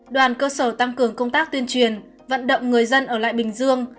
đoàn cơ sở tăng cường công tác tuyên truyền vận động người dân ở lại bình dương